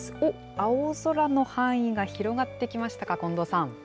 青空の範囲が広がってきましたか、近藤さん。